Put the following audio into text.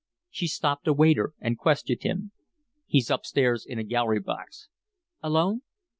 She stopped a waiter and questioned him. "He's up stairs in a gallery box." "Alone?"